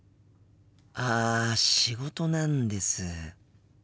あ仕事なんです。